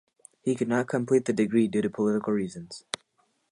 He could not complete the degree due to political reasons.